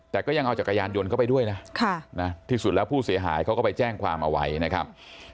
แต่ก็ยังเอาจักรยานยนต์เข้าไปด้วยนะที่สุดแล้วผู้เสียหายเขาก็ไปแจ้งความเอาไว้นะครับ